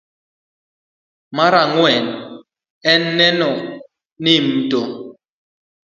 Mar ang'wen en neno ni mto